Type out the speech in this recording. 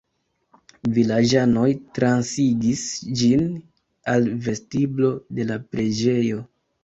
Vilaĝanoj transigis ĝin al vestiblo de la preĝejo.